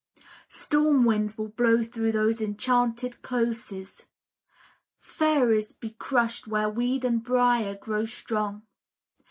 Storm winds will blow through those enchanted closes, Fairies be crushed where weed and briar grow strong